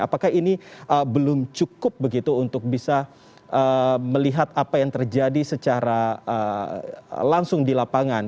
apakah ini belum cukup begitu untuk bisa melihat apa yang terjadi secara langsung di lapangan